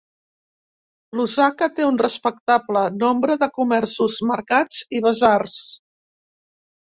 Lusaka té un respectable nombre de comerços, mercats i basars.